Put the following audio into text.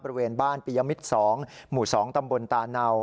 บริเวณบ้านปียมิตร๒หมู่๒ตำบลตาเนา